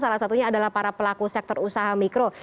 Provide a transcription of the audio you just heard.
salah satunya adalah para pelaku sektor usaha mikro